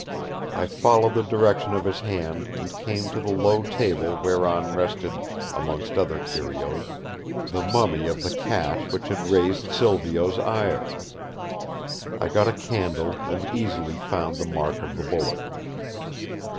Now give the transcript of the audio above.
I followed the direction of his hand and came to the low table whereon rested, amongst other curios, the mummy of the cat which had raised Silvio's ire. I got a candle and easily found the mark of the bullet.